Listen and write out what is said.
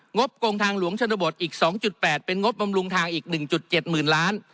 งบกลมทางหลวงชนบทอีกสองจุดแปดเป็นงบบำรุงทางอีกหนึ่งจุดเจ็ดหมื่นล้าน